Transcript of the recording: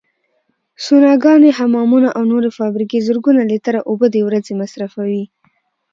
سوناګانې، حمامونه او نورې فابریکې زرګونه لیتره اوبو د ورځې مصرفوي.